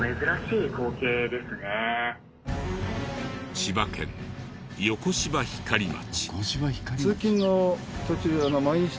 千葉県横芝光町。